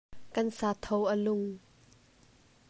Kan sa tho a lung.